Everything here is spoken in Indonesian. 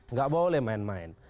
nggak boleh main main